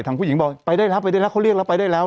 ทางผู้หญิงบอกไปได้แล้วไปได้แล้วเขาเรียกแล้วไปได้แล้ว